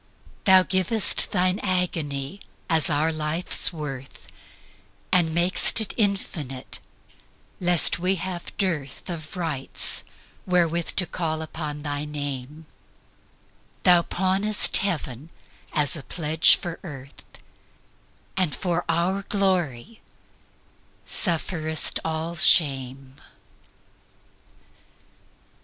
Thou giv'st Thine agony as our life's worth, And mak'st it infinite, lest we have dearthOf rights wherewith to call upon thy Name; Thou pawnest Heaven as a pledge for Earth, And for our glory sufferest all shame.